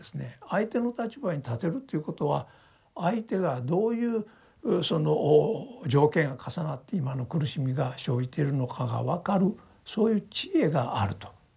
相手の立場に立てるということは相手がどういうその条件が重なって今の苦しみが生じているのかが分かるそういう智慧があると。